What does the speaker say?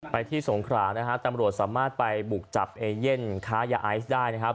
ที่สงขรานะฮะตำรวจสามารถไปบุกจับเอเย่นค้ายาไอซ์ได้นะครับ